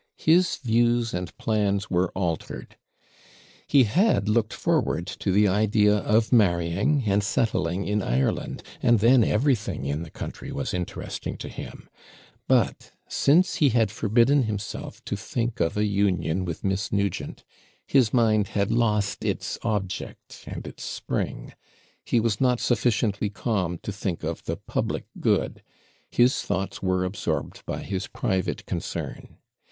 His views and plans were altered; he looked forward to the idea of marrying and settling in Ireland, and then everything in the country was interesting to him; but since he had forbidden himself to think of a union with Miss Nugent, his mind had lost its object and its spring; he was not sufficiently calm to think of the public good; his thoughts were absorbed by his private concern.